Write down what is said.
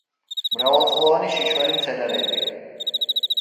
მრავალწლოვანი შიშველი მცენარეებია.